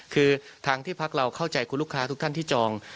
คือทางที่พักเราเข้าใจคุณลูกค้าทุกท่านที่จอง